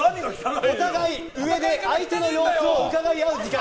お互い上で相手の様子をうかがい合う時間。